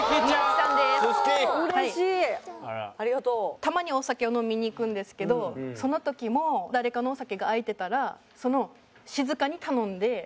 たまにお酒を飲みに行くんですけどその時も誰かのお酒が空いてたら静かに頼んで。